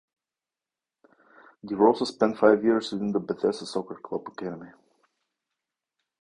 Di Rosa spent five years with the Bethesda Soccer Club Academy.